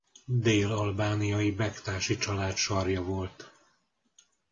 Dél-albániai bektási család sarja volt.